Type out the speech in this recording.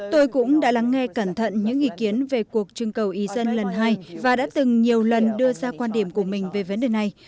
tôi cũng đã lắng nghe cẩn thận những ý kiến về cuộc trưng cầu ý dân lần hai và đã từng nhiều lần đưa ra quan điểm của mình về vấn đề này